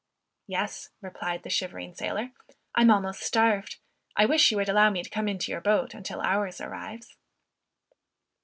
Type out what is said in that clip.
"Yes," replied the shivering sailor, "I'm almost starved. I wish you would allow me to come into your boat until ours arrives."